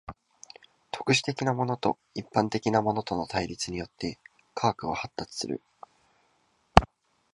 特殊的なものと一般的なものとの対立によって科学は発達する。